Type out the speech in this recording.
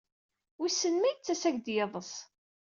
Wissen ma yettas-ak-d yiḍes?